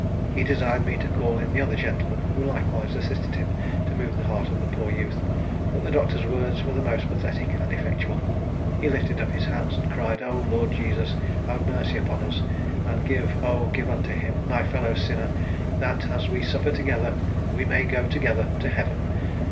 He desired me to call in the other gentlemen, who likewise assisted him to move the heart of the poor youth; but the Doctor's words were the most pathetic and effectual. He lifted up his hands, and cried out 'Oh! Lord Jesus, have mercy upon us! and give, oh! give unto him, my fellow sinner, that, as we suffer together, we may go together to Heaven!'